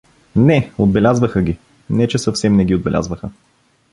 Не, отбелязваха ги, не че съвсем не ги отбелязваха.